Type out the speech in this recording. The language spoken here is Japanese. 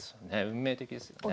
運命的ですよね。